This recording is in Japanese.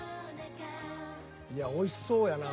［いやおいしそうやな］